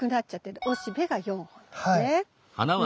おしべが４本なんですね。